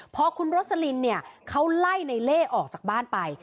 เพราะคุณโรสลินเขาไล่ในเล่ออกจากบ้านไป